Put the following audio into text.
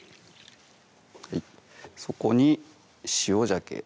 そこに塩じゃけ